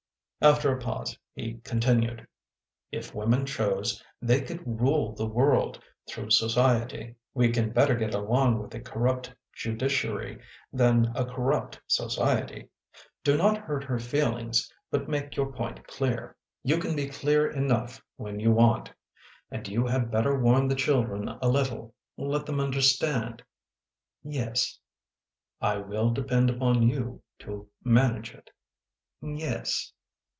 After a pause he continued :" If women chose, they could rule the world through Society. We can better get along with a corrupt judiciary than a corrupt Society. Do not hurt her feelings but make your point clear. You WALKING THE RAINBOW 109 can be clear enough when you want. And you had better warn the children a little, let them understand." " Yes." " I will depend upon you to manage it." " Yes."